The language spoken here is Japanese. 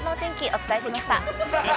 お伝えしました。